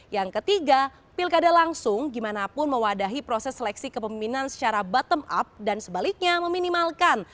yang ketiga pilkada langsung gimanapun mewadahi proses seleksi kepemimpinan secara bottom up dan sebaliknya meminimalkan